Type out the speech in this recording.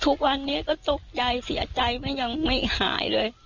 ทุกวันนี้ก็ตกใจเสียใจไม่ยังไม่หายเลย